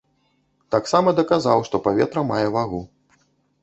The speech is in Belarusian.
Таксама даказаў, што паветра мае вагу.